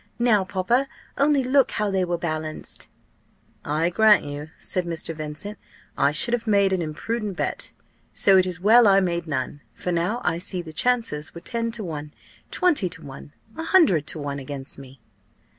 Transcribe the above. Now, papa, only look how they were balanced." "I grant you," said Mr. Vincent, "I should have made an imprudent bet. So it is well I made none; for now I see the chances were ten to one, twenty to one, a hundred to one against me."